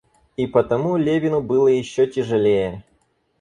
И потому Левину было еще тяжелее.